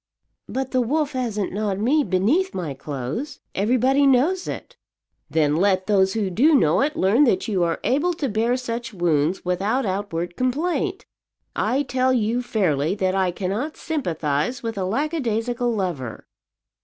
"But the wolf hasn't gnawed me beneath my clothes; everybody knows it." "Then let those who do know it learn that you are able to bear such wounds without outward complaint. I tell you fairly that I cannot sympathize with a lackadaisical lover."